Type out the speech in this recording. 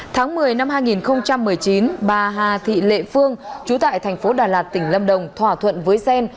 tháng một mươi năm hai nghìn một mươi chín bà hà thị lệ phương chú tại tp đà lạt tỉnh lâm đồng thỏa thuận với xen